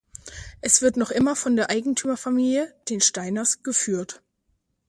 Es wird noch immer von der Eigentümerfamilie, den Steiners, geführt.